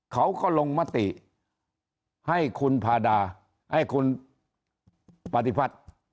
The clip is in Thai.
เขาก็ลงมติให้คุณพาดาให้คุณปฏิพัฒน์